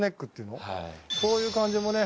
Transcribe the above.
こういう感じもね